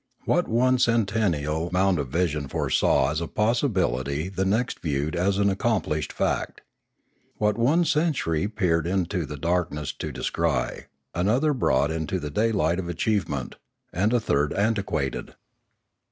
What one centennial mount of vision foresaw as a possibility the next viewed as an accomplished fact. What one century peered into the darkness to descry, another brought into the daylight of achievement, and a third antiquated.